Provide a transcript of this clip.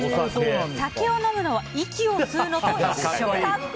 酒を飲むのは息を吸うのと一緒！